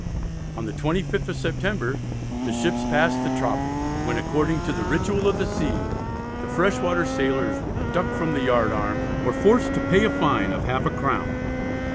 On the 25th of September the ships passed the "tropick," when according to the ritual of the sea, the fresh water sailors were ducked from the yard arm, or forced to pay a fine of half a crown.